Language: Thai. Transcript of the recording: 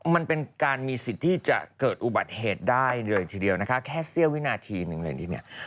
มันเป็นการมีสิทธิ์ที่จะเกิดอุบัติเหตุได้เลยทีเดียวนะคะแค่เสี้ยววินาทีหนึ่งเลยนี่เนี่ย